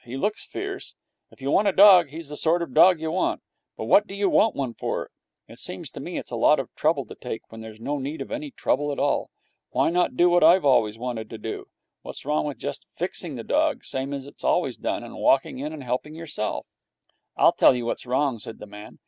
He looks fierce. If you want a dog, he's the sort of dog you want. But what do you want one for? It seems to me it's a lot of trouble to take, when there's no need of any trouble at all. Why not do what I've always wanted to do? What's wrong with just fixing the dog, same as it's always done, and walking in and helping yourself?' 'I'll tell you what's wrong,' said the man.